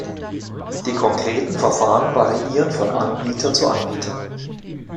Die konkreten Verfahren variieren von Anbieter zu Anbieter.